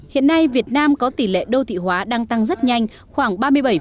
hiện nay việt nam có tỷ lệ đô thị hóa đang tăng rất nhanh khoảng ba mươi bảy